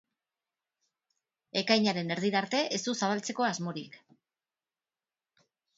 Ekainaren erdirarte ez du zabaltzeko asmorik.